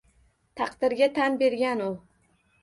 Taqdirga tan bergan u